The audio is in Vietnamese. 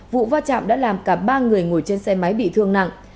vụ va chạm đã làm cả ba người ngồi trên xe máy bị thương nặng